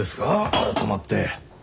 改まって。